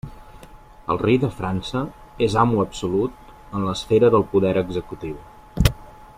El rei de França és amo absolut en l'esfera del poder executiu.